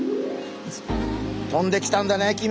飛んできたんだね君。